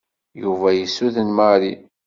Yuba yessuden Mary.